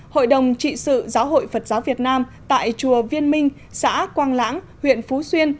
hội đồng trị sự giáo hội phật giáo việt nam tại chùa viên minh xã quang lãng huyện phú xuyên